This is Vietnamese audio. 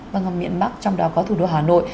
vâng ở miệng bắc trong đó có thủ đô hà nội